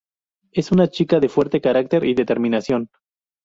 Es una chica de fuerte carácter y determinación.